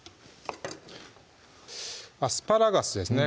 アスパラガスですね